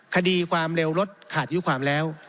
คดีความเร็วรถขาดยุความแล้ว